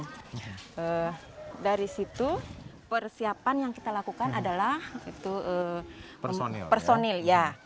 nah dari situ persiapan yang kita lakukan adalah personil